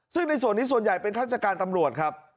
ซึ่งในส่วนนี้ส่วนใหญ่เป็นข้าราชการตำรวจครับ